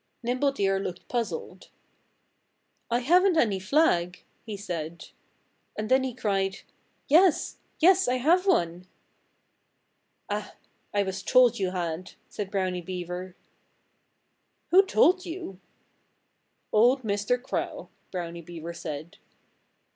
Nimble Deer looked puzzled. "I haven't any flag," he said. And then he cried, "Yes! Yes, I have one!" "Ah! I was told you had," said Brownie Beaver. "Who told you?" "Old Mr. Crow!" Brownie Beaver said.